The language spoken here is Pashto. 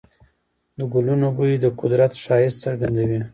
د ګلونو بوی د قدرت ښایست څرګندوي.